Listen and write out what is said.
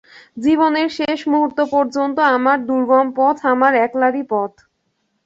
জীবনের শেষ মুহূর্ত পর্যন্ত আমার দুর্গম পথ আমার একলারই পথ।